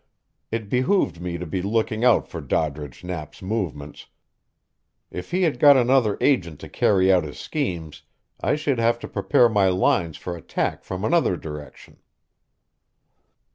It behooved me to be looking out for Doddridge Knapp's movements. If he had got another agent to carry out his schemes, I should have to prepare my lines for attack from another direction.